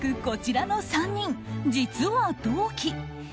こちらの３人実は、同期。